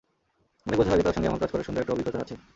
অনেক বছর আগে তাঁর সঙ্গে আমার কাজ করার সুন্দর একটা অভিজ্ঞতা আছে।